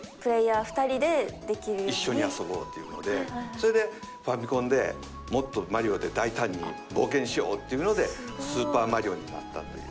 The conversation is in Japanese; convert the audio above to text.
それでファミコンでもっとマリオで大胆に冒険しようっていうので『スーパーマリオ』になったという。